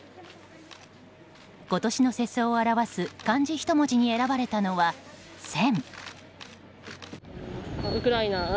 今年の世相を表す漢字一文字に選ばれたのは「戦」。